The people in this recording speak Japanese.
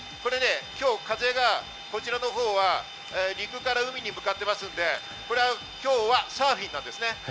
今日、風がこちらのほうは陸から海に向かっていますので、今日はサーフィンなんですね。